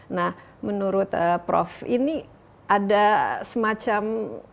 nah menurut prof ini ada semacam